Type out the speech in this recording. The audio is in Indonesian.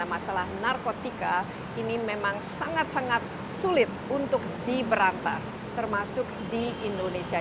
masalah narkotika ini memang sangat sangat sulit untuk diberantas termasuk di indonesia